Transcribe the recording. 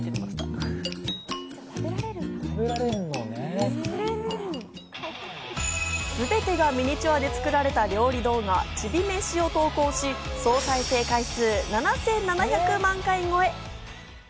すべてがミニチュアで作られた料理動画ちびめしを投稿し、総再生回数７７００万回超え。